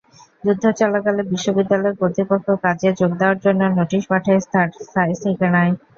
যুদ্ধ চলাকালে বিশ্ববিদ্যালয় কর্তৃপক্ষ কাজে যোগ দেওয়ার জন্য নোটিশ পাঠায় তাঁর স্থায়ী ঠিকানায়।